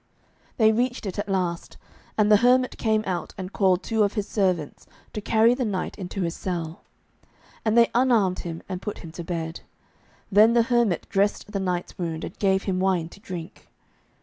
They reached it at last, and the hermit came out and called two of his servants to carry the knight into his cell; and they unarmed him and put him to bed. Then the hermit dressed the knight's wound and gave him wine to drink.